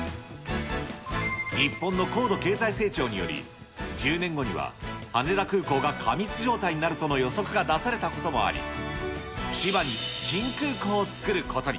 日本の高度経済成長により、１０年後には羽田空港が過密状態になるとの予測が出されたこともあり、千葉に新空港を作ることに。